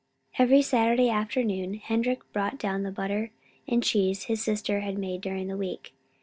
Every Saturday afternoon Henrik brought down the butter and cheese his sister had made during the week.